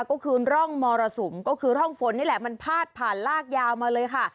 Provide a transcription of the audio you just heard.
ก็คือร่องมรสุมก็คือร่องฝนนี่แหละมันพาดผ่านลากยาวมาเลยค่ะ